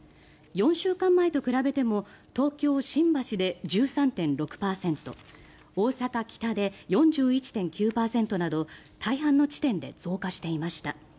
４週間前と比べても東京・新橋で１３．６％大阪・キタで４１．９％など大半の地点で増加していました。